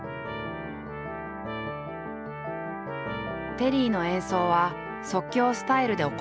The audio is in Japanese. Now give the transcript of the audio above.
テリーの演奏は即興スタイルで行われる。